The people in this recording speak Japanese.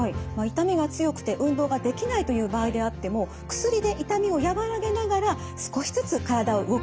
痛みが強くて運動ができないという場合であっても薬で痛みを和らげながら少しずつ体を動かすというのがおすすめなんです。